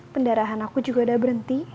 pendarahan aku juga udah berhenti